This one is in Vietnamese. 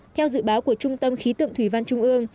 theo dự báo của trung tâm khí tượng thủy văn trung ương